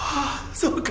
そうか。